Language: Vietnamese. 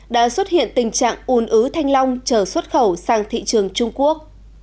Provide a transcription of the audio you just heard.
đã xuất hiện tình trạng un ứ thanh long chở xuất khẩu sang thị trường trung quốc